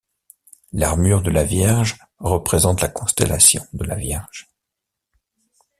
L‘armure de la Vierge représente la constellation de la Vierge.